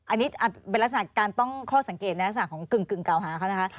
อันนี้เป็นลักษณะการตั้งข้อสังเกตในลักษณะของกึ่งเก่าหาเขานะคะ